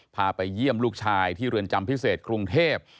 ไปเยี่ยมลูกชายที่เรือนจำพิเศษกรุงเทพ